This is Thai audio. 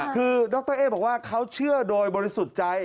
คือดรเอ๊บอกว่าเขาเชื่อโดยบริสุทธิ์ใจ